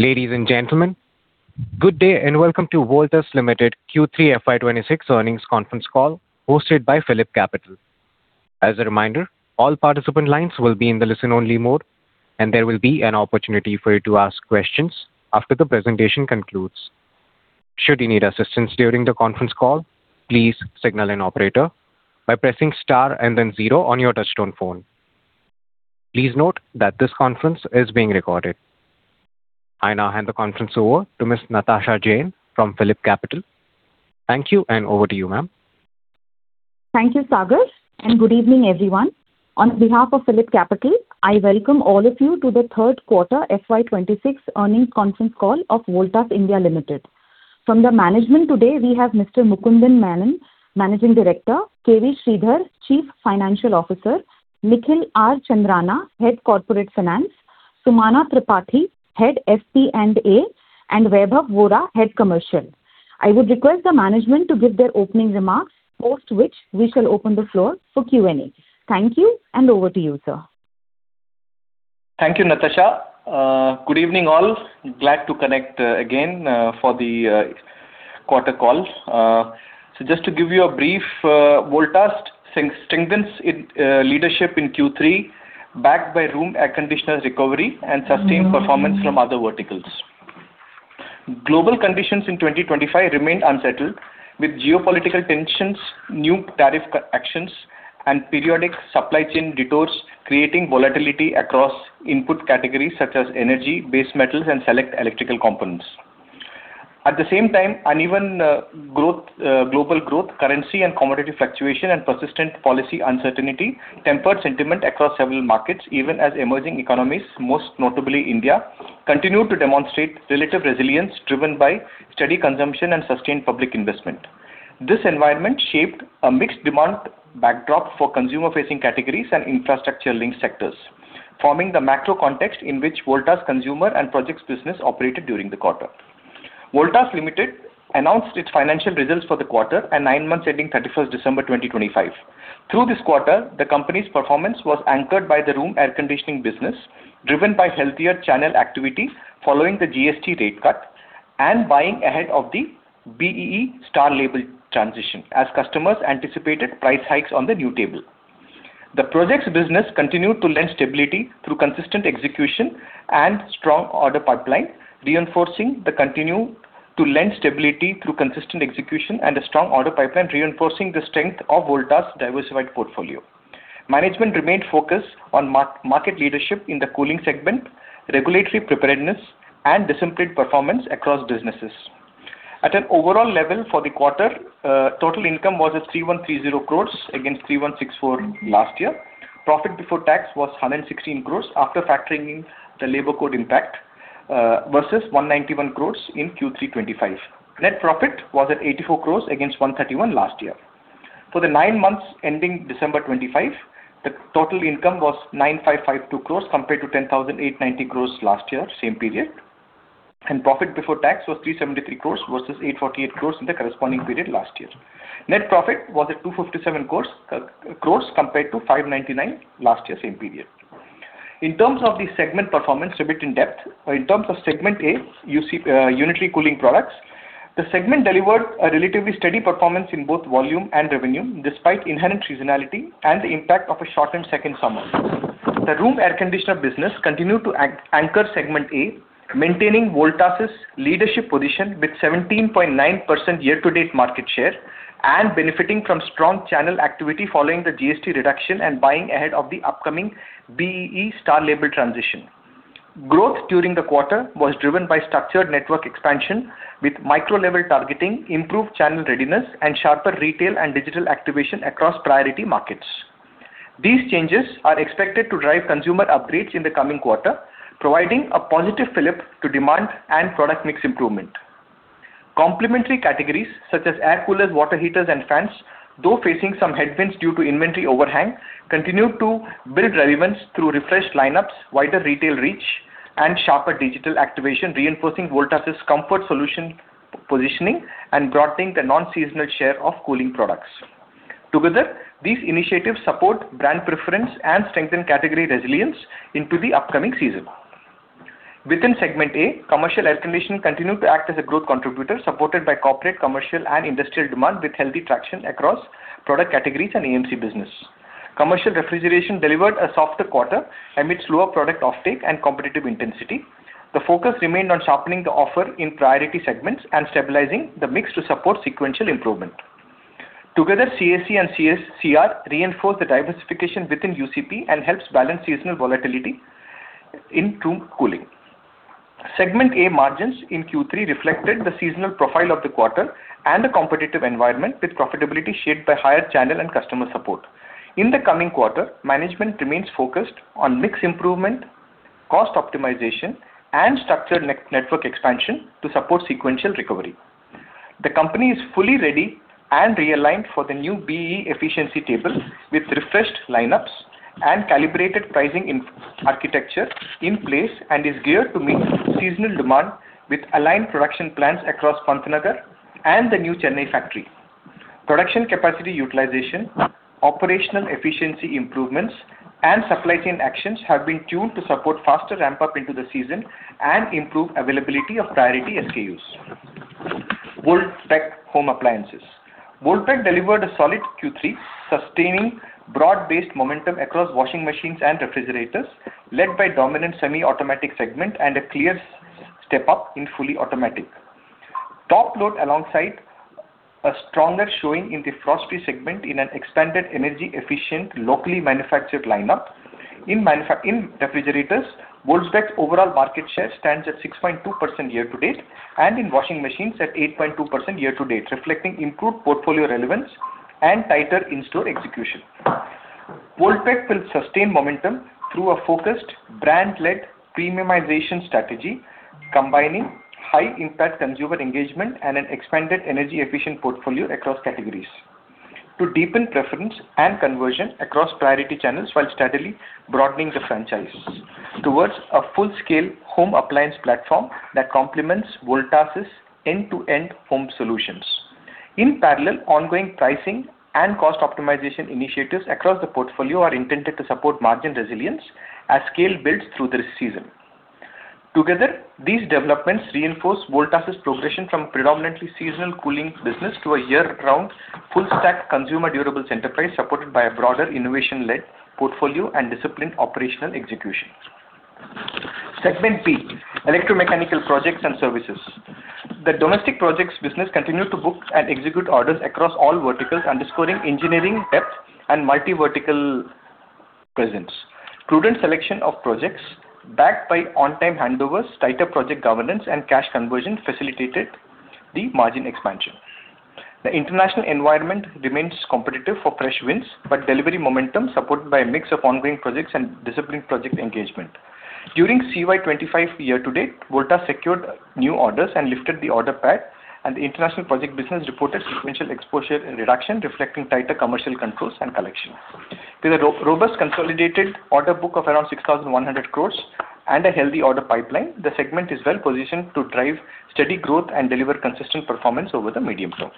Ladies and gentlemen, good day and welcome to Voltas Limited Q3 FY 2026 earnings conference call, hosted by PhillipCapital. As a reminder, all participant lines will be in the listen-only mode, and there will be an opportunity for you to ask questions after the presentation concludes. Should you need assistance during the conference call, please signal an operator by pressing star and then zero on your touch-tone phone. Please note that this conference is being recorded. I now hand the conference over to Ms. Natasha Jain from PhillipCapital. Thank you, and over to you, ma'am. Thank you, Sagar, and good evening, everyone. On behalf of PhillipCapital, I welcome all of you to the third quarter FY26 earnings conference call of Voltas India Limited. From the management today, we have Mr. Mukundan Menon, Managing Director, K.V. Sridhar, Chief Financial Officer, Nikhil R. Chandarana, Head Corporate Finance, Sumana Tripathy, Head SP&A, and Vaibhav Vora, Head Commercial. I would request the management to give their opening remarks, post which we shall open the floor for Q&A. Thank you, and over to you, sir. Thank you, Natasha. Good evening, all. Glad to connect again for the quarter call. So just to give you a brief, Voltas strengthens leadership in Q3 backed by room air conditioner recovery and sustained performance from other verticals. Global conditions in 2025 remain unsettled, with geopolitical tensions, new tariff actions, and periodic supply chain detours creating volatility across input categories such as energy, base metals, and select electrical components. At the same time, uneven global growth, currency and commodity fluctuation, and persistent policy uncertainty tempered sentiment across several markets, even as emerging economies, most notably India, continued to demonstrate relative resilience driven by steady consumption and sustained public investment. This environment shaped a mixed demand backdrop for consumer-facing categories and infrastructure-linked sectors, forming the macro context in which Voltas' consumer and projects business operated during the quarter. Voltas Limited announced its financial results for the quarter and 9-month ending 31st December 2025. Through this quarter, the company's performance was anchored by the room air conditioning business, driven by healthier channel activity following the GST rate cut and buying ahead of the BEE star label transition, as customers anticipated price hikes on the new label. The projects business continued to lend stability through consistent execution and strong order pipeline, reinforcing the continued lend stability through consistent execution and a strong order pipeline, reinforcing the strength of Voltas' diversified portfolio. Management remained focused on market leadership in the cooling segment, regulatory preparedness, and disciplined performance across businesses. At an overall level for the quarter, total income was at 3,130 crores against 3,164 last year. Profit before tax was 116 crores after factoring in the labor code impact versus 191 crores in Q325. Net profit was at 84 crores against 131 crores last year. For the nine months ending December 25, the total income was 9,552 crores compared to 10,890 crores last year, same period, and profit before tax was 373 crores versus 848 crores in the corresponding period last year. Net profit was at 257 crores compared to 599 crores last year, same period. In terms of the segment performance, a bit in depth, in terms of segment A, unitary cooling products, the segment delivered a relatively steady performance in both volume and revenue, despite inherent seasonality and the impact of a shortened second summer. The room air conditioner business continued to anchor segment A, maintaining Voltas' leadership position with 17.9% year-to-date market share and benefiting from strong channel activity following the GST reduction and buying ahead of the upcoming BEE star label transition. Growth during the quarter was driven by structured network expansion with micro-level targeting, improved channel readiness, and sharper retail and digital activation across priority markets. These changes are expected to drive consumer upgrades in the coming quarter, providing a positive flip to demand and product mix improvement. Complementary categories such as air coolers, water heaters, and fans, though facing some headwinds due to inventory overhang, continued to build relevance through refreshed lineups, wider retail reach, and sharper digital activation, reinforcing Voltas' comfort solution positioning and broadening the non-seasonal share of cooling products. Together, these initiatives support brand preference and strengthen category resilience into the upcoming season. Within segment A, commercial air conditioning continued to act as a growth contributor, supported by corporate, commercial, and industrial demand with healthy traction across product categories and AMC business. Commercial refrigeration delivered a softer quarter amidst lower product offtake and competitive intensity. The focus remained on sharpening the offer in priority segments and stabilizing the mix to support sequential improvement. Together, CAC and CR reinforced the diversification within UCP and helped balance seasonal volatility in room cooling. Segment A margins in Q3 reflected the seasonal profile of the quarter and the competitive environment, with profitability shaped by higher channel and customer support. In the coming quarter, management remains focused on mix improvement, cost optimization, and structured network expansion to support sequential recovery. The company is fully ready and realigned for the new BEE efficiency table with refreshed lineups and calibrated pricing architecture in place and is geared to meet seasonal demand with aligned production plans across Pantnagar and the new Chennai factory. Production capacity utilization, operational efficiency improvements, and supply chain actions have been tuned to support faster ramp-up into the season and improve availability of priority SKUs. Voltbek Home Appliances. Voltbek delivered a solid Q3, sustaining broad-based momentum across washing machines and refrigerators, led by dominant semi-automatic segment and a clear step-up in fully automatic top-load alongside a stronger showing in the frost-free segment in an expanded energy-efficient, locally manufactured lineup. In refrigerators, Voltbek's overall market share stands at 6.2% year-to-date and in washing machines at 8.2% year-to-date, reflecting improved portfolio relevance and tighter in-store execution. Voltbek will sustain momentum through a focused brand-led premiumization strategy, combining high-impact consumer engagement and an expanded energy-efficient portfolio across categories to deepen preference and conversion across priority channels while steadily broadening the franchise towards a full-scale home appliance platform that complements Voltas' end-to-end home solutions. In parallel, ongoing pricing and cost optimization initiatives across the portfolio are intended to support margin resilience as scale builds through the season. Together, these developments reinforce Voltas' progression from predominantly seasonal cooling business to a year-round full-stack consumer durables enterprise supported by a broader innovation-led portfolio and disciplined operational execution. Segment B, electromechanical projects and services. The domestic projects business continued to book and execute orders across all verticals, underscoring engineering depth and multi-vertical presence. Prudent selection of projects backed by on-time handovers, tighter project governance, and cash conversion facilitated the margin expansion. The international environment remains competitive for fresh wins, but delivery momentum supported by a mix of ongoing projects and disciplined project engagement. During CY25 year-to-date, Voltas secured new orders and lifted the order pad, and the international project business reported sequential exposure reduction, reflecting tighter commercial controls and collection. With a robust consolidated order book of around 6,100 crores and a healthy order pipeline, the segment is well-positioned to drive steady growth and deliver consistent performance over the medium term.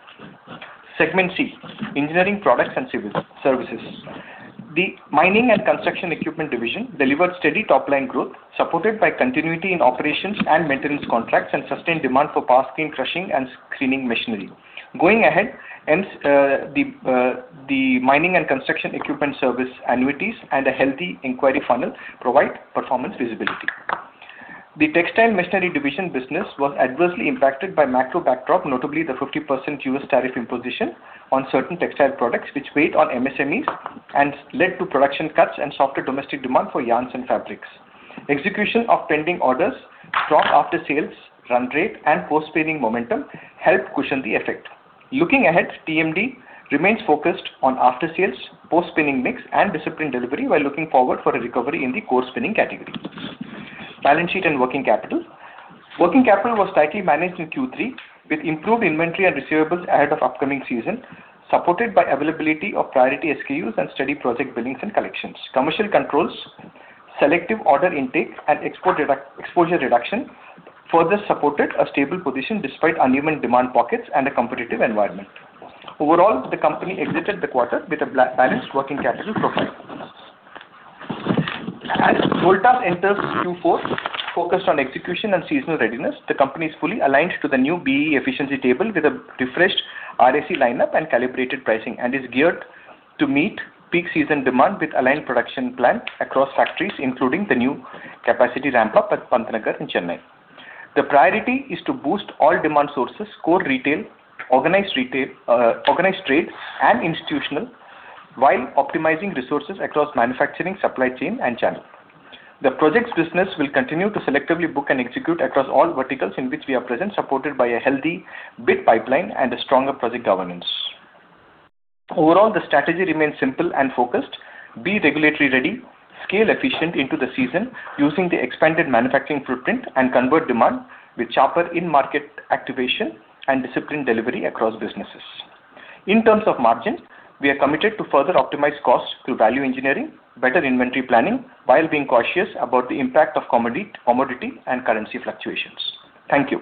Segment C, engineering products and services. The mining and construction equipment division delivered steady top-line growth, supported by continuity in operations and maintenance contracts and sustained demand for passkeying, crushing, and screening machinery. Going ahead, the mining and construction equipment service annuities and a healthy inquiry funnel provide performance visibility. The textile machinery division business was adversely impacted by macro backdrop, notably the 50% US tariff imposition on certain textile products, which weighed on MSMEs and led to production cuts and softer domestic demand for yarns and fabrics. Execution of pending orders, strong after-sales run rate, and post-spinning momentum helped cushion the effect. Looking ahead, TMD remains focused on after-sales, post-spinning mix, and disciplined delivery while looking forward for a recovery in the core spinning category. Balance sheet and working capital. Working capital was tightly managed in Q3 with improved inventory and receivables ahead of upcoming season, supported by availability of priority SKUs and steady project billings and collections. Commercial controls, selective order intake, and exposure reduction further supported a stable position despite uneven demand pockets and a competitive environment. Overall, the company exited the quarter with a balanced working capital profile. As Voltas enters Q4, focused on execution and seasonal readiness, the company is fully aligned to the new BEE efficiency table with a refreshed RAC lineup and calibrated pricing, and is geared to meet peak season demand with aligned production plan across factories, including the new capacity ramp-up at Pantnagar in Chennai. The priority is to boost all demand sources, core retail, organized trade, and institutional while optimizing resources across manufacturing, supply chain, and channel. The projects business will continue to selectively book and execute across all verticals in which we are present, supported by a healthy bid pipeline and a stronger project governance. Overall, the strategy remains simple and focused, be regulatory ready, scale efficient into the season using the expanded manufacturing footprint and convert demand with sharper in-market activation and disciplined delivery across businesses. In terms of margin, we are committed to further optimize cost through value engineering, better inventory planning, while being cautious about the impact of commodity and currency fluctuations. Thank you.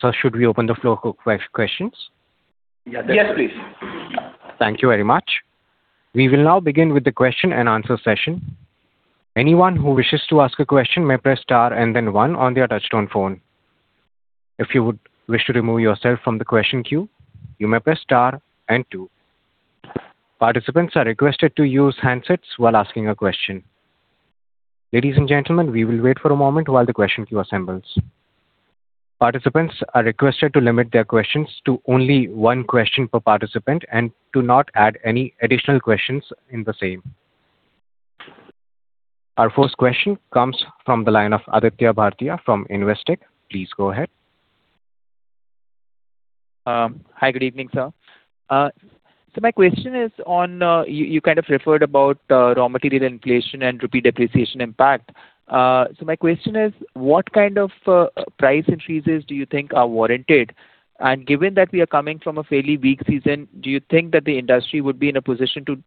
Sir, should we open the floor for questions? Yes, please. Thank you very much. We will now begin with the question and answer session. Anyone who wishes to ask a question may press star and then one on their touch-tone phone. If you would wish to remove yourself from the question queue, you may press star and two. Participants are requested to use handsets while asking a question. Ladies and gentlemen, we will wait for a moment while the question queue assembles. Participants are requested to limit their questions to only one question per participant and to not add any additional questions in the same. Our first question comes from the line of Aditya Bhartia from Investec. Please go ahead. Hi, good evening, sir. My question is on you kind of referred about raw material inflation and rupee depreciation impact. My question is, what kind of price increases do you think are warranted? Given that we are coming from a fairly weak season, do you think that the industry would be in a position to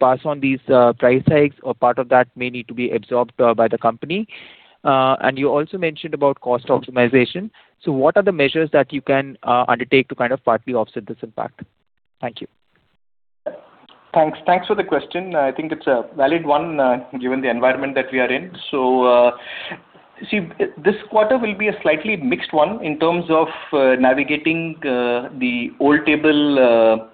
pass on these price hikes or part of that may need to be absorbed by the company? You also mentioned about cost optimization. What are the measures that you can undertake to kind of partly offset this impact? Thank you. Thanks for the question. I think it's a valid one given the environment that we are in. So see, this quarter will be a slightly mixed one in terms of navigating the old model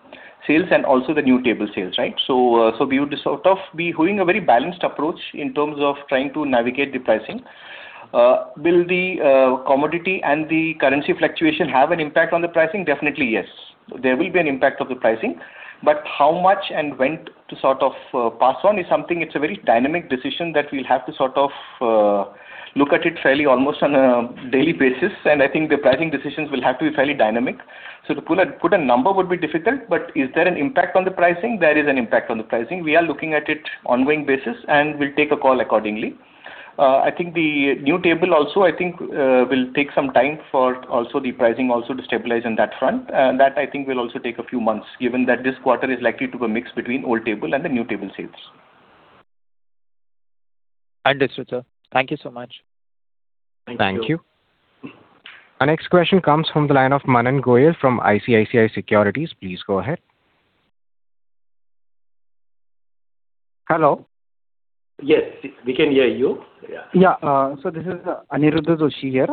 sales and also the new model sales, right? So we would sort of be having a very balanced approach in terms of trying to navigate the pricing. Will the commodity and the currency fluctuation have an impact on the pricing? Definitely, yes. There will be an impact of the pricing. But how much and when to sort of pass on is something it's a very dynamic decision that we'll have to sort of look at it fairly almost on a daily basis. And I think the pricing decisions will have to be fairly dynamic. So to put a number would be difficult, but is there an impact on the pricing? There is an impact on the pricing. We are looking at it ongoing basis and will take a call accordingly. I think the new table also, I think, will take some time for also the pricing also to stabilize on that front. That, I think, will also take a few months given that this quarter is likely to be a mix between old table and the new table sales. Understood, sir. Thank you so much. Thank you. Our next question comes from the line of Manan Goyal from ICICI Securities. Please go ahead. Hello. Yes, we can hear you. Yeah. So this is Aniruddha Joshi here.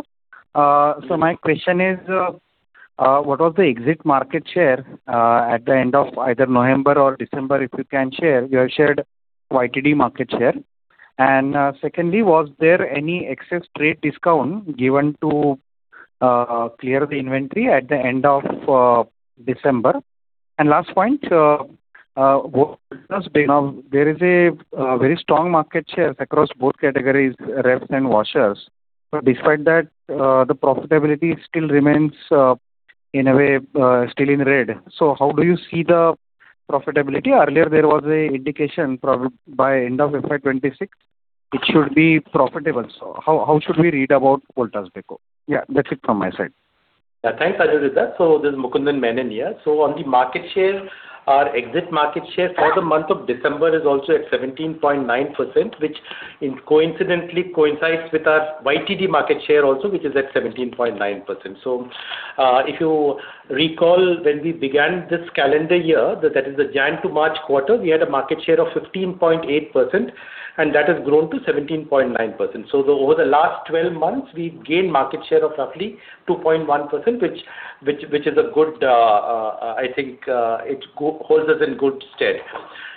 So my question is, what was the exit market share at the end of either November or December, if you can share? You have shared YTD market share. And secondly, was there any excess trade discount given to clear the inventory at the end of December? And last point, there is a very strong market share across both categories, refs and washers. But despite that, the profitability still remains in a way still in red. So how do you see the profitability? Earlier, there was an indication by end of FY26, it should be profitable. So how should we read about Voltas Beko? Yeah, that's it from my side. Yeah. Thanks, Aniruddha. So this is Mukundan Menon here. So on the market share, our exit market share for the month of December is also at 17.9%, which coincidentally coincides with our YTD market share also, which is at 17.9%. So if you recall, when we began this calendar year, that is the January to March quarter, we had a market share of 15.8%, and that has grown to 17.9%. So over the last 12 months, we've gained market share of roughly 2.1%, which is a good, I think, it holds us in good stead.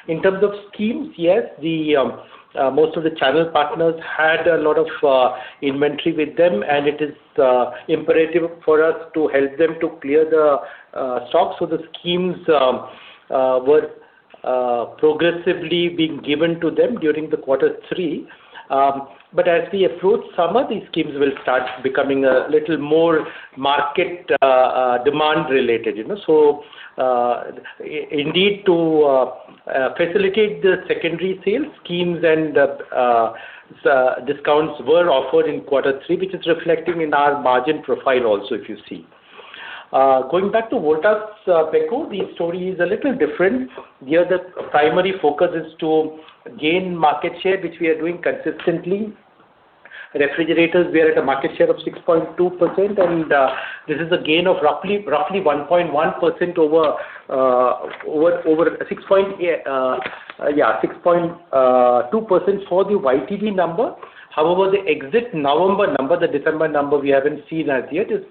In terms of schemes, yes, most of the channel partners had a lot of inventory with them, and it is imperative for us to help them to clear the stock. So the schemes were progressively being given to them during the quarter three. But as we approach summer, these schemes will start becoming a little more market demand related. So indeed, to facilitate the secondary sales, schemes and discounts were offered in quarter three, which is reflecting in our margin profile also, if you see. Going back to Voltas Beko, the story is a little different. The other primary focus is to gain market share, which we are doing consistently. Refrigerators, we are at a market share of 6.2%, and this is a gain of roughly 1.1% over 6.2% for the YTD number. However, the exit November number, the December number we haven't seen as yet, is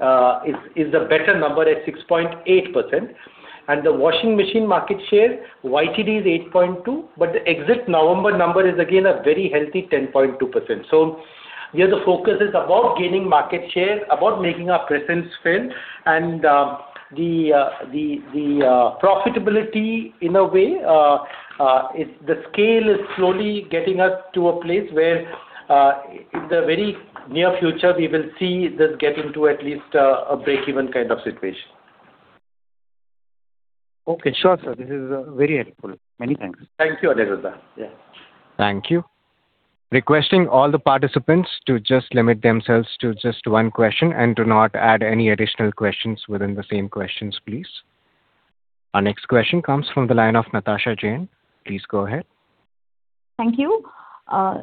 a better number at 6.8%. And the washing machine market share, YTD is 8.2%, but the exit November number is again a very healthy 10.2%. So the focus is about gaining market share, about making our presence feel. The profitability, in a way, the scale is slowly getting us to a place where in the very near future, we will see this get into at least a break-even kind of situation. Okay. Sure, sir. This is very helpful. Many thanks. Thank you, Aniruddha. Yeah. Thank you. Requesting all the participants to just limit themselves to just one question and to not add any additional questions within the same questions, please. Our next question comes from the line of Natasha Jain. Please go ahead. Thank you.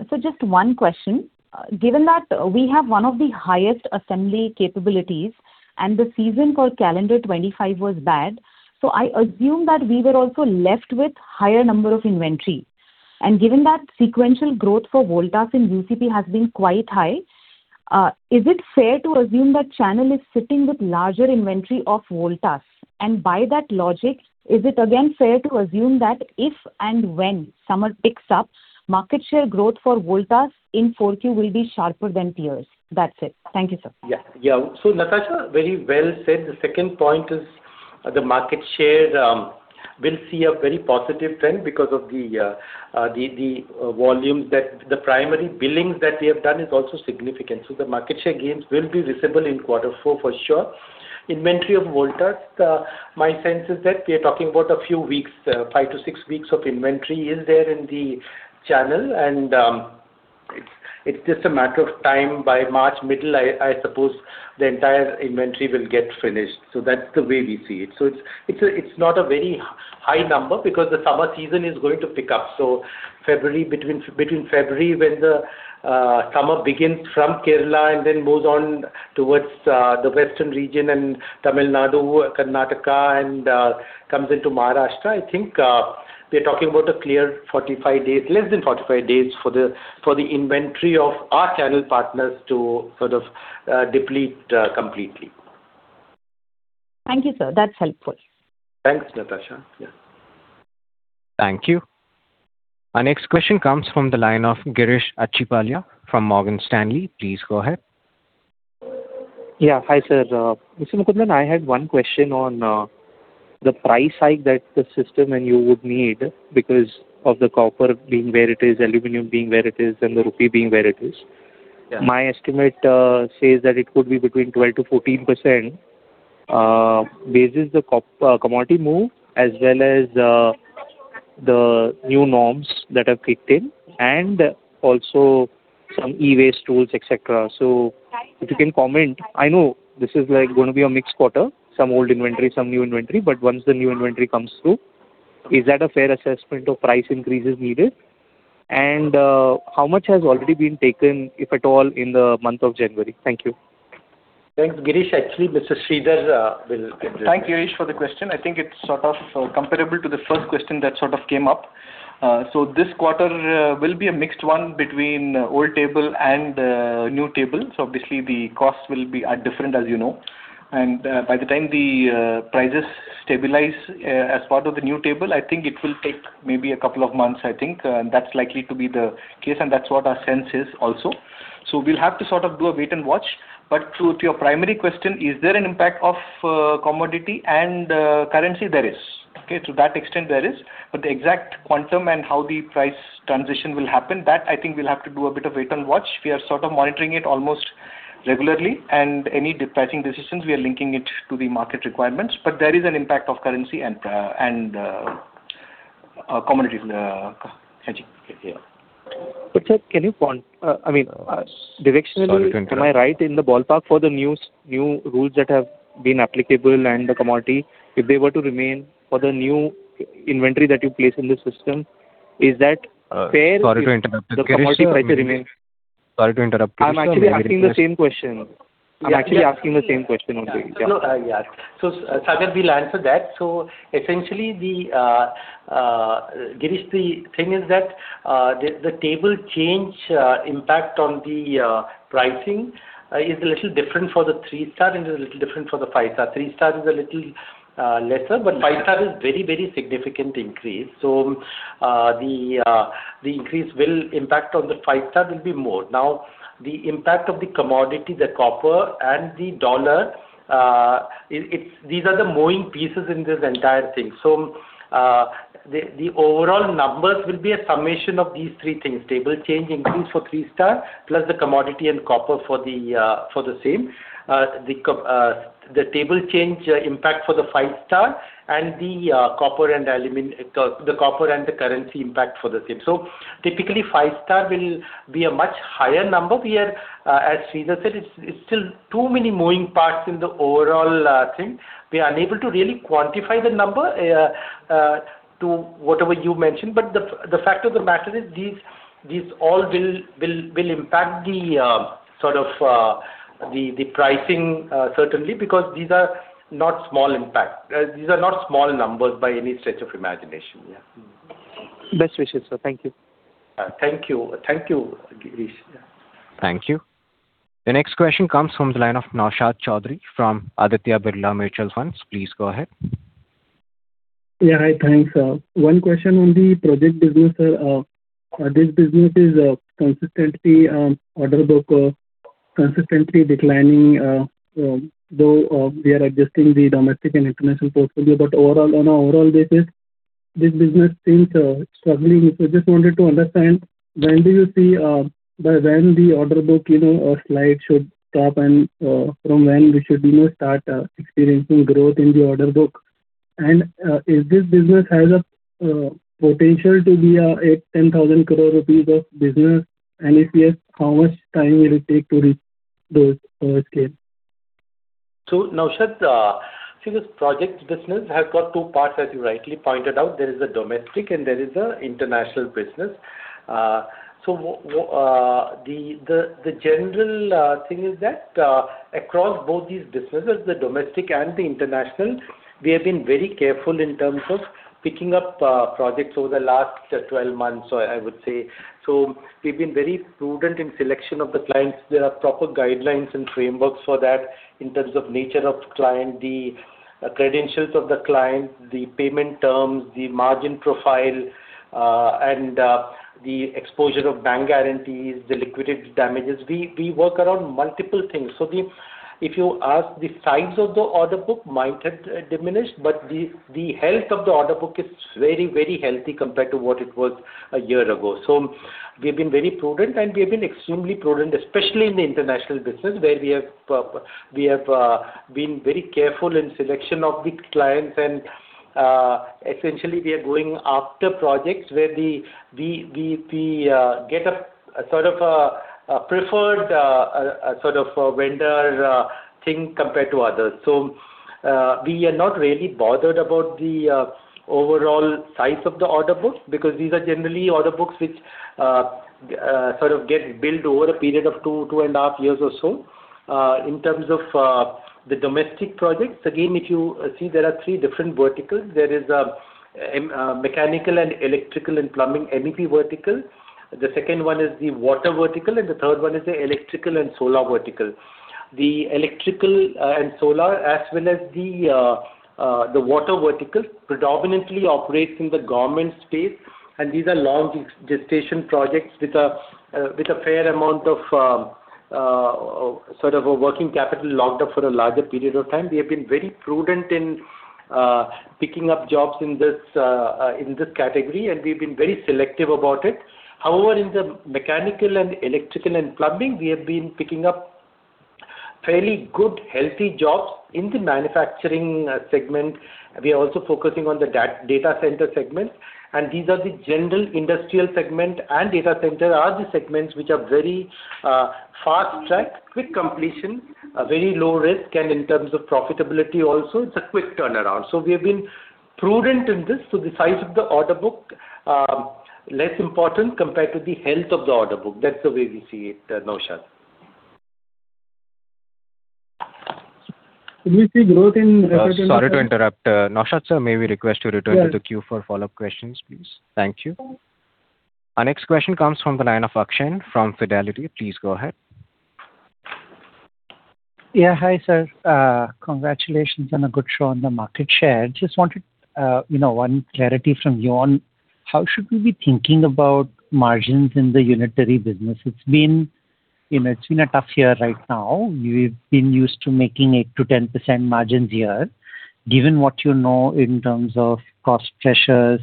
So just one question. Given that we have one of the highest assembly capabilities and the season for calendar 2025 was bad, so I assume that we were also left with a higher number of inventory. And given that sequential growth for Voltas in UCP has been quite high, is it fair to assume that channel is sitting with larger inventory of Voltas? And by that logic, is it again fair to assume that if and when summer picks up, market share growth for Voltas in 4Q will be sharper than peers? That's it. Thank you, sir. Yeah. So Natasha, very well said. The second point is the market share will see a very positive trend because of the volumes that the primary billings that we have done is also significant. So the market share gains will be visible in quarter four for sure. Inventory of Voltas, my sense is that we are talking about a few weeks, 5-6 weeks of inventory is there in the channel. And it's just a matter of time by March middle, I suppose the entire inventory will get finished. So that's the way we see it. So it's not a very high number because the summer season is going to pick up. Between February when the summer begins from Kerala and then moves on towards the western region and Tamil Nadu, Karnataka, and comes into Maharashtra, I think we are talking about a clear 45 days, less than 45 days for the inventory of our channel partners to sort of deplete completely. Thank you, sir. That's helpful. Thanks, Natasha. Yeah. Thank you. Our next question comes from the line of Girish Achhipalia from Morgan Stanley. Please go ahead. Yeah. Hi, sir. Mr. Mukundan, I had one question on the price hike that the system and you would need because of the copper being where it is, aluminum being where it is, and the rupee being where it is. My estimate says that it could be between 12%-14% basis the commodity move as well as the new norms that have kicked in and also some e-waste tools, etc. So if you can comment, I know this is going to be a mixed quarter, some old inventory, some new inventory, but once the new inventory comes through, is that a fair assessment of price increases needed? And how much has already been taken, if at all, in the month of January? Thank you. Thanks, Girish. Actually, Mr. Sridhar will. Thank you, Girish, for the question. I think it's sort of comparable to the first question that sort of came up. So this quarter will be a mixed one between old table and new table. So obviously, the costs will be different, as you know. And by the time the prices stabilize as part of the new table, I think it will take maybe a couple of months, I think. And that's likely to be the case, and that's what our sense is also. So we'll have to sort of do a wait and watch. But to your primary question, is there an impact of commodity and currency? There is. Okay. To that extent, there is. But the exact quantum and how the price transition will happen, that I think we'll have to do a bit of wait and watch. We are sort of monitoring it almost regularly. Any pricing decisions, we are linking it to the market requirements. There is an impact of currency and commodity hedging. But sir, can you point, I mean, directionally? Am I right in the ballpark for the new rules that have been applicable and the commodity, if they were to remain for the new inventory that you place in the system, is that fair? Sorry to interrupt. The commodity price remains. Sorry to interrupt. I'm actually asking the same question. I'm actually asking the same question only. No, yeah. So Sagar, we'll answer that. So essentially, Girish, the thing is that the table change impact on the pricing is a little different for the three-star and is a little different for the five-star. Three-star is a little lesser, but five-star is a very, very significant increase. So the increase will impact on the five-star will be more. Now, the impact of the commodity, the copper, and the dollar, these are the moving pieces in this entire thing. So the overall numbers will be a summation of these three things: table change increase for three-star plus the commodity and copper for the same, the table change impact for the five-star, and the copper and the currency impact for the same. So typically, five-star will be a much higher number. As Sridhar said, it's still too many moving parts in the overall thing. We are unable to really quantify the number to whatever you mentioned. But the fact of the matter is these all will impact the sort of the pricing, certainly, because these are not small impacts. These are not small numbers by any stretch of imagination. Yeah. Best wishes, sir. Thank you. Thank you. Thank you, Girish. Thank you. The next question comes from the line of Naushad Chaudhary from Aditya Birla Sun Life Mutual Fund. Please go ahead. Yeah. Hi. Thanks. One question on the project business, sir. This business is consistently order book, consistently declining, though we are adjusting the domestic and international portfolio. But on an overall basis, this business seems struggling. So I just wanted to understand, when do you see by when the order book slide should stop and from when we should start experiencing growth in the order book? And is this business has a potential to be a 10,000 crore rupees business? And if yes, how much time will it take to reach those scales? So Naushad, see, this project business has got two parts, as you rightly pointed out. There is a domestic, and there is an international business. So the general thing is that across both these businesses, the domestic and the international, we have been very careful in terms of picking up projects over the last 12 months, I would say. So we've been very prudent in selection of the clients. There are proper guidelines and frameworks for that in terms of nature of client, the credentials of the client, the payment terms, the margin profile, and the exposure of bank guarantees, the liquidity damages. We work around multiple things. So if you ask, the size of the order book might have diminished, but the health of the order book is very, very healthy compared to what it was a year ago. So we've been very prudent, and we have been extremely prudent, especially in the international business, where we have been very careful in selection of the clients. And essentially, we are going after projects where we get a sort of a preferred sort of vendor thing compared to others. So we are not really bothered about the overall size of the order book because these are generally order books which sort of get built over a period of two and a half years or so. In terms of the domestic projects, again, if you see, there are three different verticals. There is a mechanical and electrical and plumbing MEP vertical. The second one is the water vertical, and the third one is the electrical and solar vertical. The electrical and solar, as well as the water vertical, predominantly operates in the government space. These are long gestation projects with a fair amount of sort of a working capital locked up for a larger period of time. We have been very prudent in picking up jobs in this category, and we've been very selective about it. However, in the mechanical and electrical and plumbing, we have been picking up fairly good, healthy jobs in the manufacturing segment. We are also focusing on the data center segment. These are the general industrial segment, and data center are the segments which are very fast track, quick completion, very low risk, and in terms of profitability also, it's a quick turnaround. We have been prudent in this. The size of the order book is less important compared to the health of the order book. That's the way we see it, Naushad. Can we see growth in? Sorry to interrupt. Naushad sir, may we request you to return to the queue for follow-up questions, please? Thank you. Our next question comes from the line of Akshan from Fidelity. Please go ahead. Yeah. Hi, sir. Congratulations on a good show on the market share. Just wanted one clarity from you on how should we be thinking about margins in the unitary business? It's been a tough year right now. We've been used to making 8%-10% margins here. Given what you know in terms of cost pressures,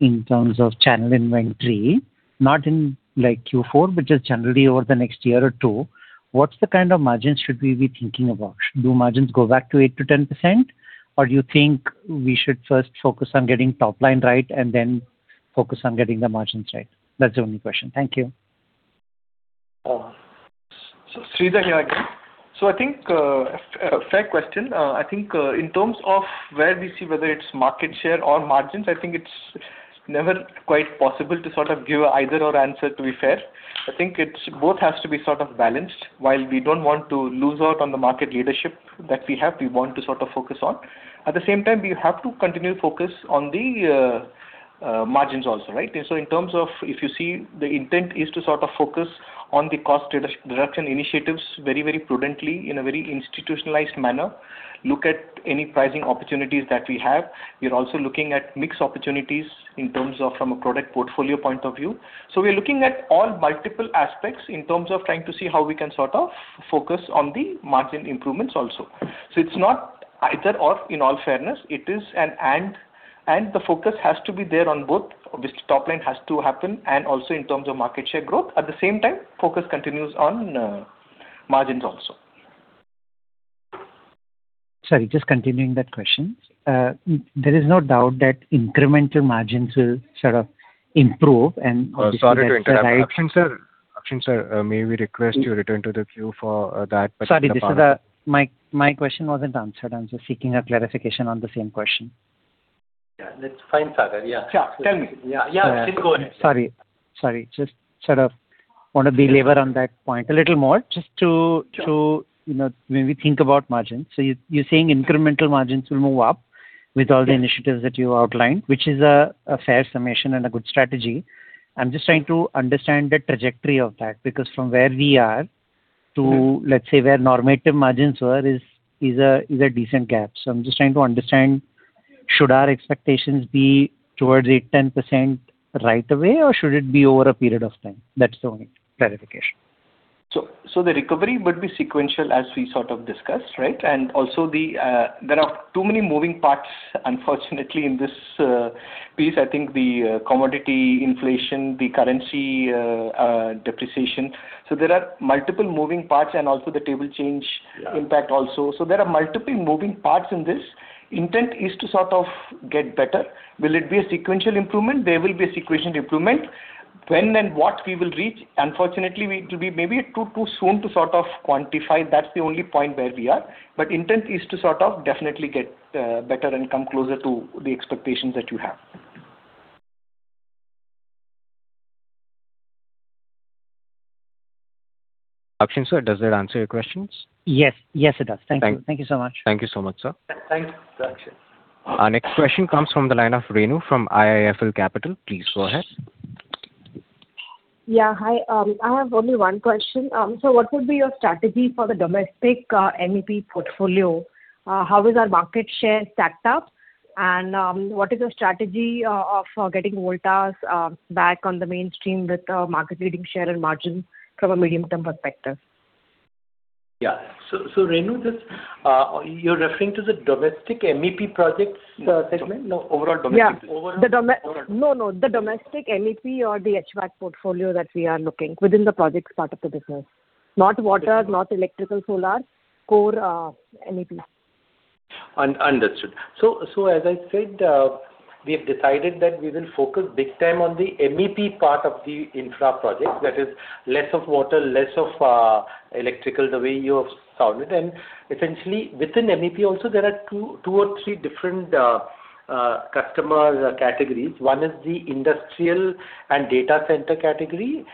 in terms of channel inventory, not in Q4, but just generally over the next year or two, what's the kind of margins should we be thinking about? Should the margins go back to 8%-10%, or do you think we should first focus on getting top line right and then focus on getting the margins right? That's the only question. Thank you. Sridhar here again. So I think a fair question. I think in terms of where we see whether it's market share or margins, I think it's never quite possible to sort of give either or answer, to be fair. I think it both has to be sort of balanced. While we don't want to lose out on the market leadership that we have, we want to sort of focus on. At the same time, we have to continue to focus on the margins also, right? So in terms of if you see, the intent is to sort of focus on the cost reduction initiatives very, very prudently in a very institutionalized manner, look at any pricing opportunities that we have. We're also looking at mixed opportunities in terms of from a product portfolio point of view. So we're looking at all multiple aspects in terms of trying to see how we can sort of focus on the margin improvements also. So it's not either or in all fairness. It is an and, and the focus has to be there on both. Obviously, top line has to happen and also in terms of market share growth. At the same time, focus continues on margins also. Sorry, just continuing that question. There is no doubt that incremental margins will sort of improve and obviously. Sorry to interrupt. Akshan sir, may we request you return to the queue for that? Sorry, my question wasn't answered. I'm just seeking a clarification on the same question. Yeah. That's fine, Sagar. Yeah. Tell me. Yeah. Yeah. Please go ahead. Sorry. Sorry. Just sort of want to leverage on that point a little more just to when we think about margins. So you're saying incremental margins will move up with all the initiatives that you outlined, which is a fair summation and a good strategy. I'm just trying to understand the trajectory of that because from where we are to, let's say, where normalized margins were is a decent gap. So I'm just trying to understand, should our expectations be towards 8%-10% right away, or should it be over a period of time? That's the only clarification. So the recovery would be sequential as we sort of discussed, right? And also, there are too many moving parts, unfortunately, in this piece. I think the commodity inflation, the currency depreciation. So there are multiple moving parts and also the table change impact also. So there are multiple moving parts in this. Intent is to sort of get better. Will it be a sequential improvement? There will be a sequential improvement. When and what we will reach, unfortunately, it will be maybe too soon to sort of quantify. That's the only point where we are. But intent is to sort of definitely get better and come closer to the expectations that you have. Akshan sir, does that answer your questions? Yes. Yes, it does. Thank you. Thank you so much. Thank you so much, sir. Thanks, Akshan. Our next question comes from the line of Renu from IIFL Capital. Please go ahead. Yeah. Hi. I have only one question. So what would be your strategy for the domestic MEP portfolio? How is our market share set up? And what is your strategy of getting Voltas back on the mainstream with market leading share and margin from a medium-term perspective? Yeah. So Renu, you're referring to the domestic MVP project segment? No, overall domestic. Yeah. No, no. The domestic MEP or the HVAC portfolio that we are looking within the project part of the business. Not water, not electrical, solar, core MEP. Understood. So as I said, we have decided that we will focus big time on the MEP part of the infra project. That is less of water, less of electrical, the way you have sounded. And essentially, within MEP also, there are two or three different customer categories. One is the industrial and data center category,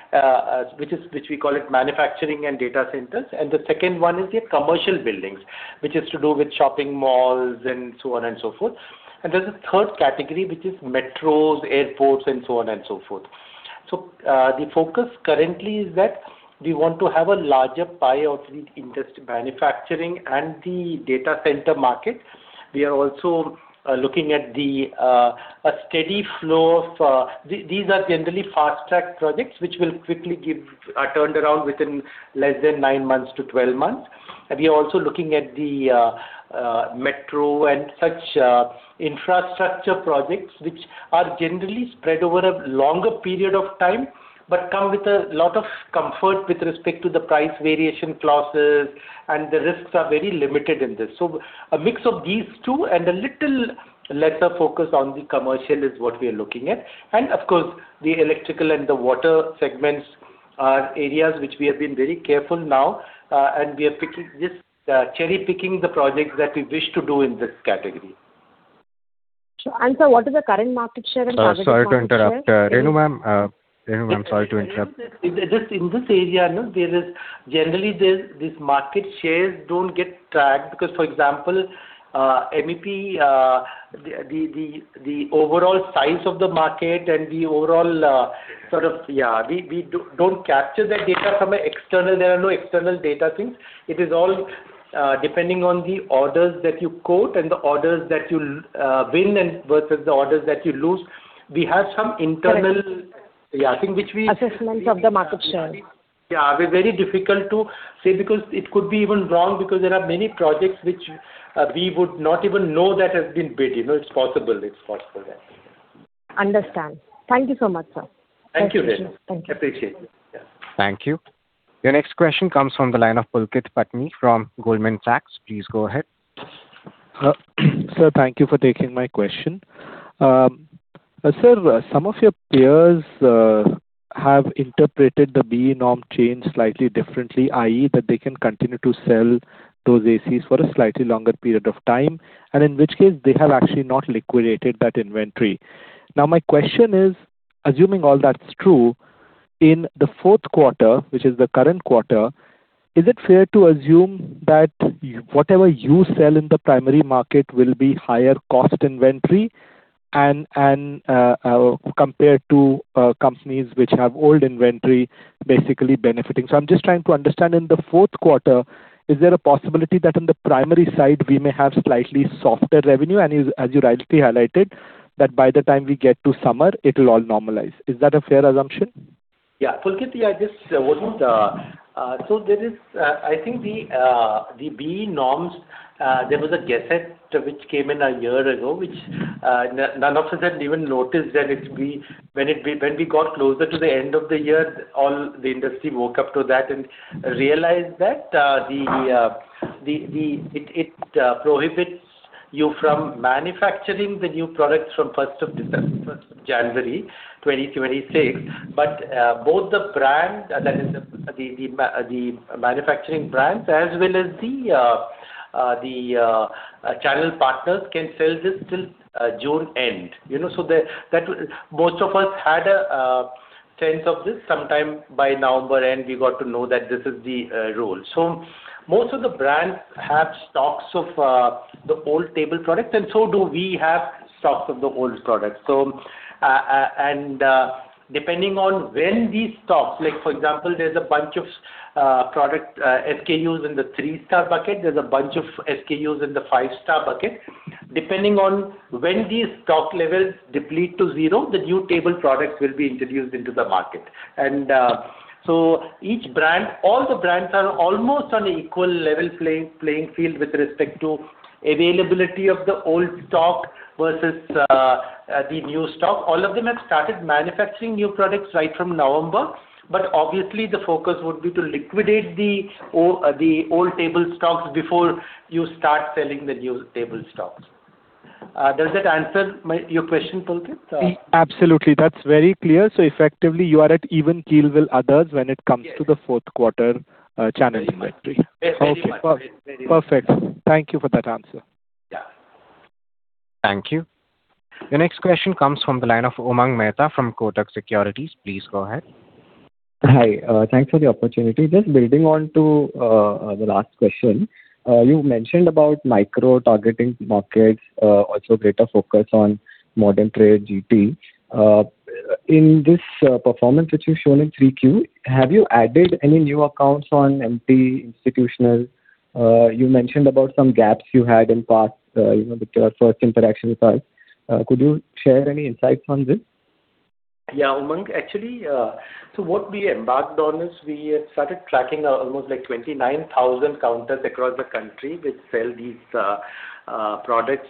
which we call manufacturing and data centers. And the second one is the commercial buildings, which is to do with shopping malls and so on and so forth. And there's a third category, which is metros, airports, and so on and so forth. So the focus currently is that we want to have a larger pie of the manufacturing and the data center market. We are also looking at a steady flow of these are generally fast track projects, which will quickly give a turnaround within less than 9-12 months. We are also looking at the metro and such infrastructure projects, which are generally spread over a longer period of time but come with a lot of comfort with respect to the price variation clauses and the risks are very limited in this. So a mix of these two and a little lesser focus on the commercial is what we are looking at. And of course, the electrical and the water segments are areas which we have been very careful now, and we are cherry-picking the projects that we wish to do in this category. Akshan, what is the current market share and target? Sorry to interrupt. Renu ma'am, Renu ma'am, sorry to interrupt. Just in this area, generally, these market shares don't get tracked because, for example, MEP, the overall size of the market and the overall sort of yeah, we don't capture that data from an external. There are no external data things. It is all depending on the orders that you quote and the orders that you win versus the orders that you lose. We have some internal thing which we. Assessment of the market share. Yeah. We're very difficult to say because it could be even wrong because there are many projects which we would not even know that have been bid. It's possible. It's possible that. Understand. Thank you so much, sir. Thank you, Renu. Thank you. Appreciate it. Thank you. The next question comes from the line of Pulkit Patni from Goldman Sachs. Please go ahead. Sir, thank you for taking my question. Sir, some of your peers have interpreted the BEE norm change slightly differently, i.e., that they can continue to sell those ACs for a slightly longer period of time, and in which case, they have actually not liquidated that inventory. Now, my question is, assuming all that's true, in the fourth quarter, which is the current quarter, is it fair to assume that whatever you sell in the primary market will be higher cost inventory compared to companies which have old inventory basically benefiting? So I'm just trying to understand, in the fourth quarter, is there a possibility that on the primary side, we may have slightly softer revenue? And as you rightly highlighted, that by the time we get to summer, it will all normalize. Is that a fair assumption? Yeah. Pulkit, yeah, just one more. So there is, I think, the BEE norms. There was a Gazette which came in a year ago, which none of us had even noticed that when we got closer to the end of the year, all the industry woke up to that and realized that it prohibits you from manufacturing the new products from 1st of January, 2026. But both the brand, that is, the manufacturing brands, as well as the channel partners can sell this till June end. So most of us had a sense of this sometime by November end. We got to know that this is the rule. So most of the brands have stocks of the old label products, and so do we have stocks of the old products. And depending on when these stocks like, for example, there's a bunch of product SKUs in the three-star bucket. There's a bunch of SKUs in the five-star bucket. Depending on when these stock levels deplete to zero, the new label products will be introduced into the market. And so each brand, all the brands are almost on an equal level playing field with respect to availability of the old stock versus the new stock. All of them have started manufacturing new products right from November. But obviously, the focus would be to liquidate the old label stocks before you start selling the new label stocks. Does that answer your question, Pulkit? Absolutely. That's very clear. So effectively, you are at even keel with others when it comes to the fourth quarter channel inventory. Yes. Yes. Okay. Perfect. Thank you for that answer. Yeah. Thank you. The next question comes from the line of Umang Mehta from Kotak Securities. Please go ahead. Hi. Thanks for the opportunity. Just building on to the last question, you mentioned about micro-targeting markets, also greater focus on modern trade, GT. In this performance that you've shown in Q3, have you added any new accounts on MT institutional? You mentioned about some gaps you had in the past with your first interaction with us. Could you share any insights on this? Yeah. Actually, so what we embarked on is we started tracking almost 29,000 counters across the country which sell these products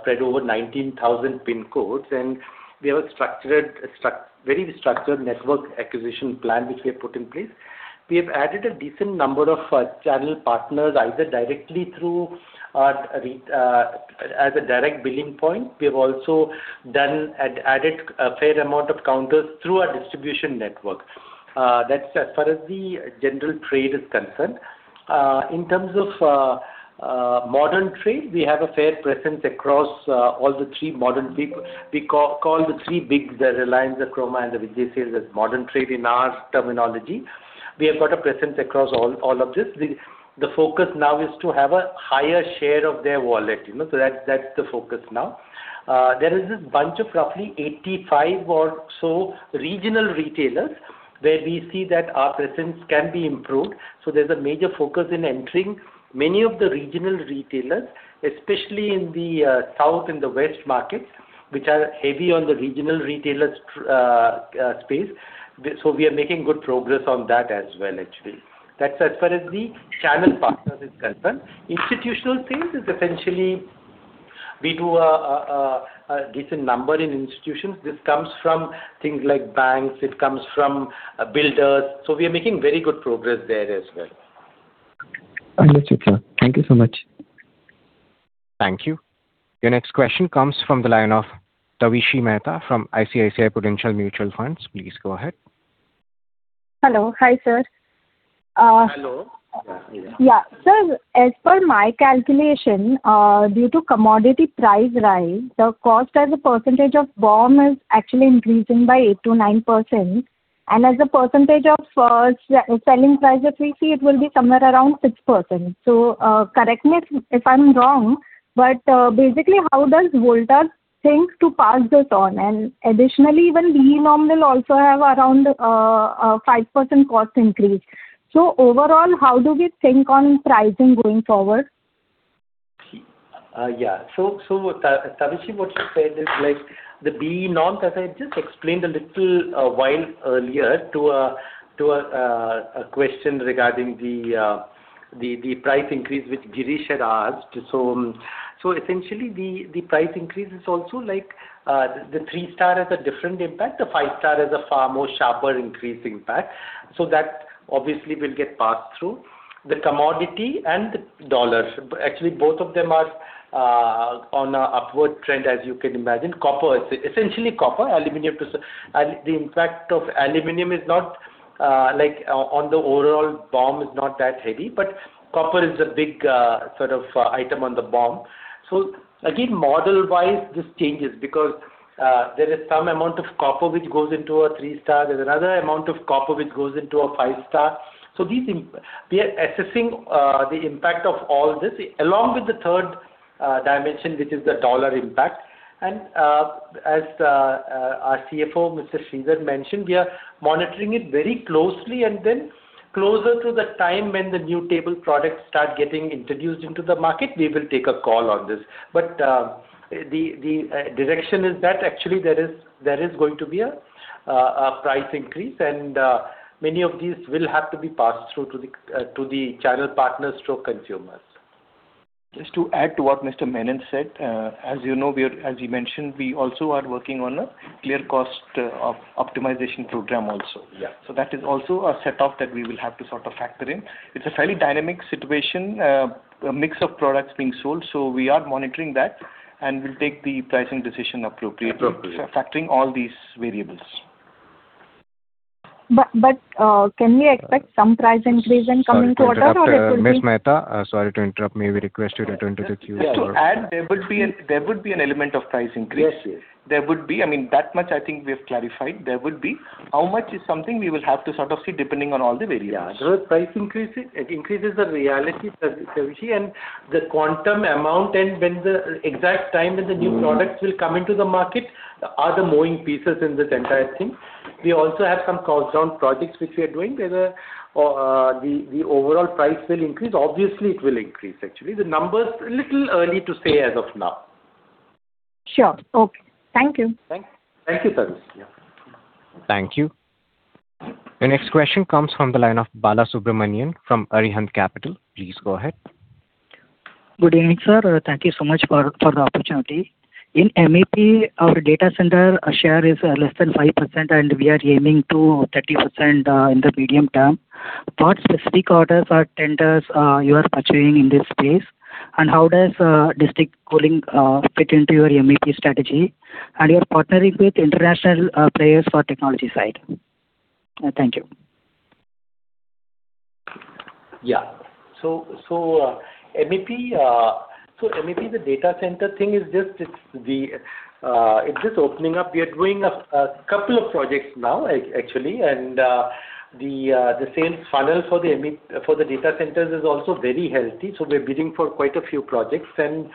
spread over 19,000 PIN codes. And we have a very structured network acquisition plan which we have put in place. We have added a decent number of channel partners either directly as a direct billing point. We have also added a fair amount of counters through our distribution network. That's as far as the general trade is concerned. In terms of modern trade, we have a fair presence across all the three modern bigs we call the three bigs, the Reliance, the Croma, and the Vijay Sales as modern trade in our terminology. We have got a presence across all of this. The focus now is to have a higher share of their wallet. So that's the focus now. There is a bunch of roughly 85 or so regional retailers where we see that our presence can be improved. So there's a major focus in entering many of the regional retailers, especially in the south and the west markets, which are heavy on the regional retailer space. So we are making good progress on that as well, actually. That's as far as the channel partners is concerned. Institutional sales is essentially we do a decent number in institutions. This comes from things like banks. It comes from builders. So we are making very good progress there as well. Understood, sir. Thank you so much. Thank you. The next question comes from the line of Davishi Mehta from ICICI Prudential Mutual Funds. Please go ahead. Hello. Hi, sir. Hello. Yeah. Sir, as per my calculation, due to commodity price rise, the cost as a percentage of BOM is actually increasing by 8%-9%. And as a percentage of selling price of VC, it will be somewhere around 6%. So correct me if I'm wrong. But basically, how does Voltas think to pass this on? And additionally, even BEE norm will also have around a 5% cost increase. So overall, how do we think on pricing going forward? Yeah. So Tavishi, what you said is the BEE norm, as I just explained a little while earlier to a question regarding the price increase which Girish had asked. So essentially, the price increase is also the three-star has a different impact. The five-star has a far more sharper increase impact. So that obviously will get passed through. The commodity and the dollar, actually, both of them are on an upward trend, as you can imagine. Essentially, copper, aluminum to the impact of aluminum is not on the overall BOM is not that heavy. But copper is a big sort of item on the BOM. So again, model-wise, this changes because there is some amount of copper which goes into a three-star. There's another amount of copper which goes into a five-star. We are assessing the impact of all this along with the third dimension, which is the dollar impact. As our CFO, Mr. Sridhar, mentioned, we are monitoring it very closely. Then closer to the time when the new model products start getting introduced into the market, we will take a call on this. But the direction is that actually there is going to be a price increase. Many of these will have to be passed through to the channel partners through consumers. Just to add to what Mr. Menon said, as you know, as you mentioned, we also are working on a clear cost optimization program also. So that is also a setup that we will have to sort of factor in. It's a fairly dynamic situation, a mix of products being sold. So we are monitoring that and will take the pricing decision appropriately, factoring all these variables. Can we expect some price increase in coming quarter, or it will be? Mr. Mehta, sorry to interrupt. May we request you to turn to the queue? Yeah. To add, there would be an element of price increase. There would be. I mean, that much I think we have clarified. There would be. How much is something we will have to sort of see depending on all the variables. Yeah. The price increase increases the reality, Davishi, and the quantum amount and when the exact time when the new products will come into the market are the moving pieces in this entire thing. We also have some cost-down projects which we are doing where the overall price will increase. Obviously, it will increase, actually. The number is a little early to say as of now. Sure. Okay. Thank you. Thank you, sir. Thank you. The next question comes from the line of Bala Subramanian from Arihant Capital. Please go ahead. Good evening, sir. Thank you so much for the opportunity. In MEP, our data center share is less than 5%, and we are aiming to 30% in the medium term. What specific orders or tenders you are pursuing in this space, and how does district cooling fit into your MEP strategy and your partnering with international players for technology side? Thank you. Yeah. So MEP, the data center thing is just it's just opening up. We are doing a couple of projects now, actually. And the sales funnel for the data centers is also very healthy. So we're bidding for quite a few projects. And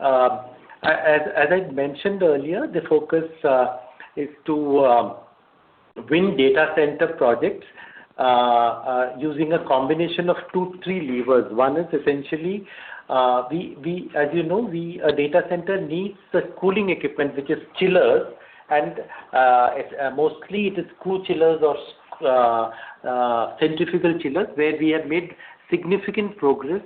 as I mentioned earlier, the focus is to win data center projects using a combination of 2, 3 levers. One is essentially, as you know, a data center needs the cooling equipment, which is chillers. And mostly, it is screw chillers or Centrifugal Chillers where we have made significant progress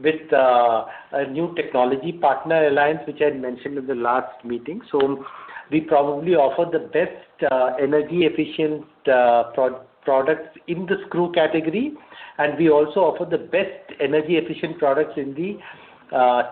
with a new technology partner alliance, which I mentioned in the last meeting. So we probably offer the best energy-efficient products in the screw category. And we also offer the best energy-efficient products in the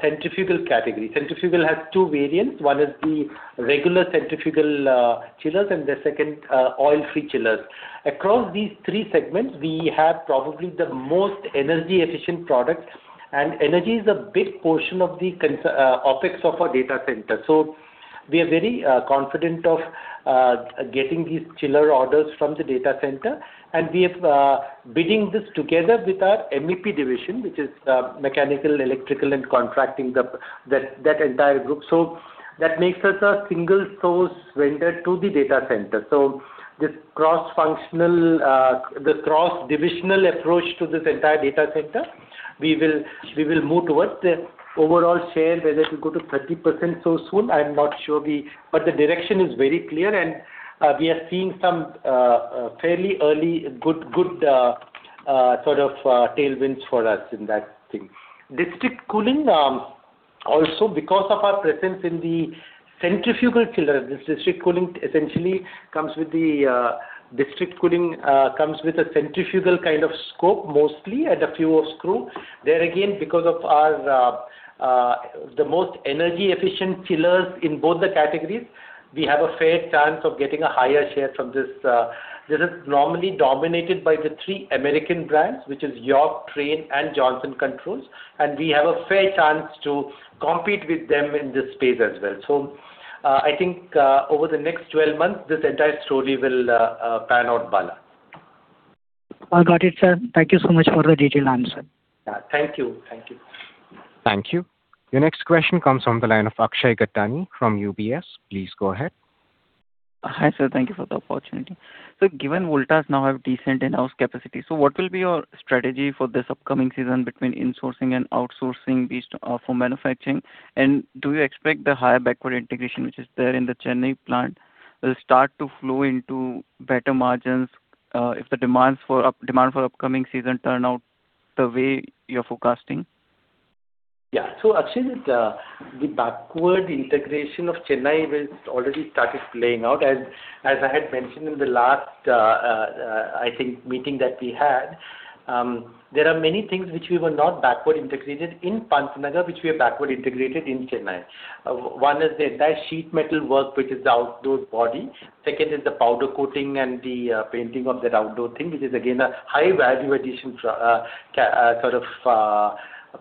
centrifugal category. Centrifugal has two variants. One is the regular centrifugal chillers, and the second, oil-free chillers. Across these three segments, we have probably the most energy-efficient products. Energy is a big portion of the OpEx of our data center. So we are very confident of getting these chiller orders from the data center. And we are bidding this together with our MEP division, which is mechanical, electrical, and plumbing that entire group. So that makes us a single-source vendor to the data center. So this cross-functional, the cross-divisional approach to this entire data center, we will move towards the overall share where it will go to 30% so soon. I'm not sure. But the direction is very clear. And we are seeing some fairly early good sort of tailwinds for us in that thing. District Cooling, also because of our presence in the Centrifugal Chillers, this District Cooling essentially comes with the District Cooling comes with a centrifugal kind of scope mostly and a few of Screw Chillers. There again, because of the most energy-efficient chillers in both the categories, we have a fair chance of getting a higher share from this. This is normally dominated by the three American brands, which are York, Trane, and Johnson Controls. And we have a fair chance to compete with them in this space as well. So I think over the next 12 months, this entire story will pan out, Bala. I got it, sir. Thank you so much for the detailed answer. Yeah. Thank you. Thank you. Thank you. The next question comes from the line of Akshay Gattani from UBS. Please go ahead. Hi, sir. Thank you for the opportunity. Given Voltas now have decent in-house capacity, so what will be your strategy for this upcoming season between insourcing and outsourcing for manufacturing? And do you expect the higher backward integration, which is there in the Chennai plant, will start to flow into better margins if the demand for upcoming season turns out the way you're forecasting? Yeah. So actually, the backward integration of Chennai has already started playing out. As I had mentioned in the last, I think, meeting that we had, there are many things which we were not backward integrated in Pantnagar, which we have backward integrated in Chennai. One is the entire sheet metal work, which is the outdoor body. Second is the powder coating and the painting of that outdoor thing, which is again a high-value addition sort of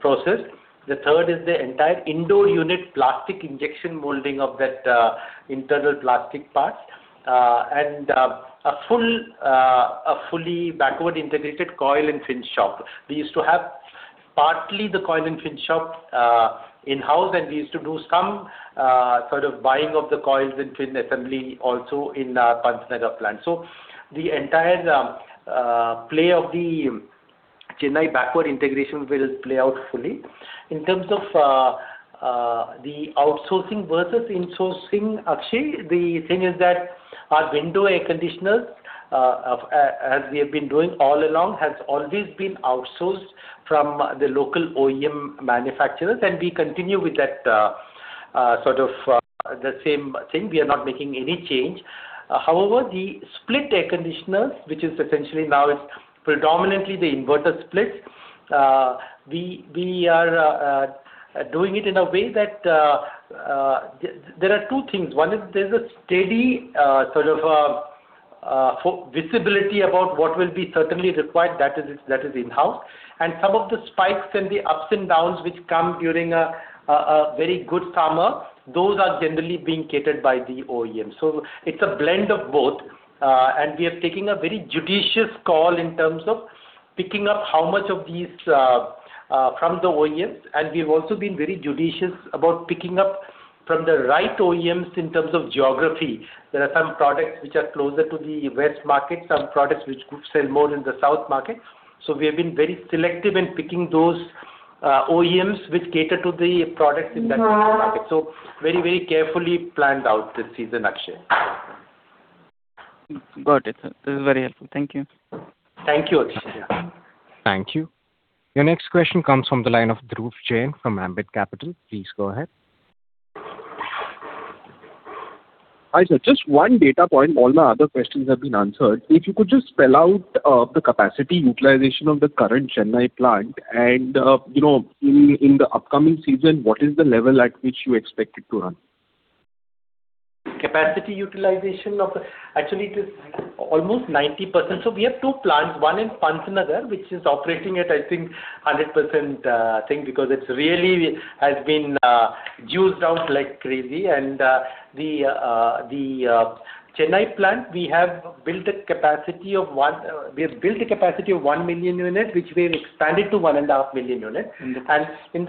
process. The third is the entire indoor unit plastic injection molding of that internal plastic parts and a fully backward integrated coil and fin shop. We used to have partly the coil and fin shop in-house, and we used to do some sort of buying of the coils and fin assembly also in Pantnagar plant. So the entire play of the Chennai backward integration will play out fully. In terms of the outsourcing versus insourcing, Akshay, the thing is that our window air conditioners, as we have been doing all along, have always been outsourced from the local OEM manufacturers. And we continue with that sort of the same thing. We are not making any change. However, the split air conditioners, which is essentially now predominantly the inverter splits, we are doing it in a way that there are two things. One is there's a steady sort of visibility about what will be certainly required. That is in-house. And some of the spikes and the ups and downs which come during a very good summer, those are generally being catered by the OEM. So it's a blend of both. And we are taking a very judicious call in terms of picking up how much of these from the OEMs. And we have also been very judicious about picking up from the right OEMs in terms of geography. There are some products which are closer to the west market, some products which sell more in the south market. So we have been very selective in picking those OEMs which cater to the products in that market. So very, very carefully planned out this season, Akshay. Got it. This is very helpful. Thank you. Thank you, Akshay. Thank you. The next question comes from the line of Dhruv Jain from Ambit Capital. Please go ahead. Hi, sir. Just one data point. All my other questions have been answered. If you could just spell out the capacity utilization of the current Chennai plant and in the upcoming season, what is the level at which you expect it to run? Capacity utilization. Actually, it is almost 90%. So we have two plants. One in Pantnagar, which is operating at, I think, 100% thing because it really has been juiced out like crazy. And the Chennai plant, we have built a capacity of 1 million units, which we have expanded to 1.5 million units. And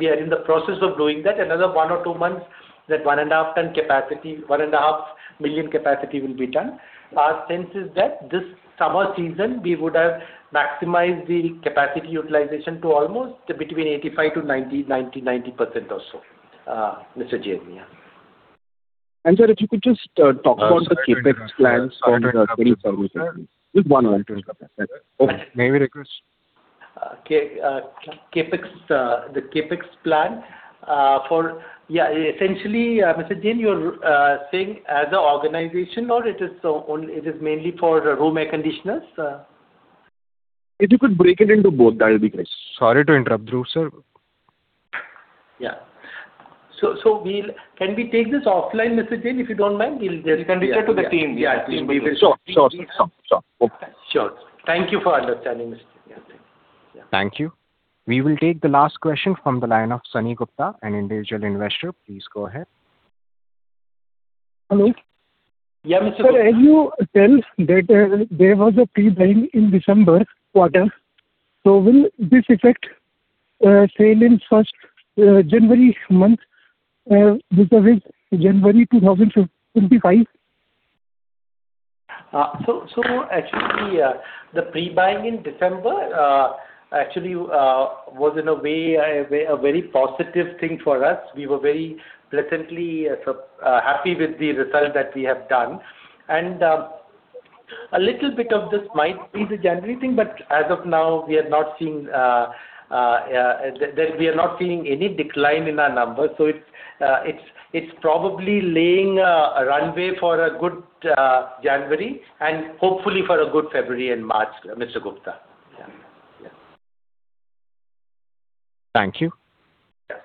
we are in the process of doing that. Another 1 or 2 months, that 1.5 million capacity will be done. Our sense is that this summer season, we would have maximized the capacity utilization to almost between 85%-90%, 90%, 90% or so, Mr. Jain. Yeah. Sir, if you could just talk about the CAPEX plans for the 2020 business. Just one word. May we request? Okay. The CAPEX plan for yeah, essentially, Mr. Jain, you're saying as an organization, or it is mainly for room air conditioners? If you could break it into both, that would be great. Sorry to interrupt, Dhruv, sir. Yeah. So can we take this offline, Mr. Jain? If you don't mind, we'll just. You can reach out to the team. Yeah. Sure. Sure. Sure. Sure. Okay. Sure. Thank you for understanding, Mr. Jain. Thank you. We will take the last question from the line of Sunny Gupta, an individual investor. Please go ahead. Sunny? Yeah, Mr. As you said, there was a pre-buying in December quarter. So will this affect sales in first January month with the January 2025? So actually, the pre-buying in December actually was, in a way, a very positive thing for us. We were very pleasantly happy with the result that we have done. And a little bit of this might be the January thing, but as of now, we are not seeing any decline in our numbers. So it's probably laying a runway for a good January and hopefully for a good February and March, Mr. Gupta. Yeah. Thank you. Yeah.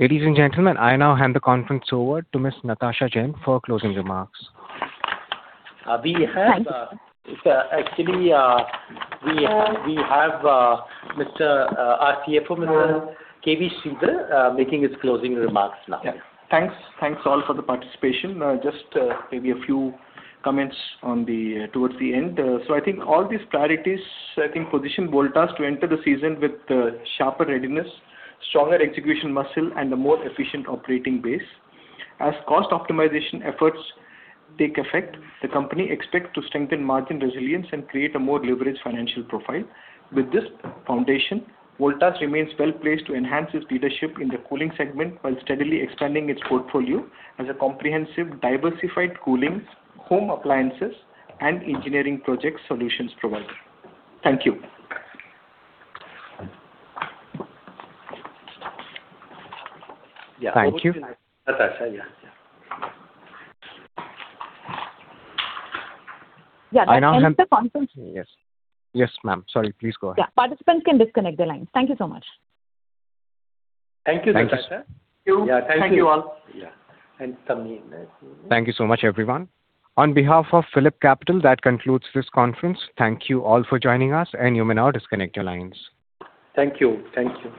Ladies and gentlemen, I now hand the conference over to Ms. Natasha Jain for closing remarks. We have. Thanks. Actually, we have our CFO, Mr. K.V. Sridhar, making his closing remarks now. Thanks. Thanks all for the participation. Just maybe a few comments towards the end. So I think all these priorities, I think, position Voltas to enter the season with sharper readiness, stronger execution muscle, and a more efficient operating base. As cost optimization efforts take effect, the company expects to strengthen margin resilience and create a more leveraged financial profile. With this foundation, Voltas remains well placed to enhance its leadership in the cooling segment while steadily expanding its portfolio as a comprehensive diversified cooling home appliances and engineering project solutions provider. Thank you. Thank you. Natasha? Yeah. Yeah. Yeah. Yeah. I now hand. Yes. Yes, ma'am. Sorry. Please go ahead. Yeah. Participants can disconnect their lines. Thank you so much. Thank you, Natasha. Thank you. Yeah. Thank you. Thank you all. Yeah. And Sami. Thank you so much, everyone. On behalf of PhillipCapital, that concludes this conference. Thank you all for joining us, and you may now disconnect your lines. Thank you. Thank you.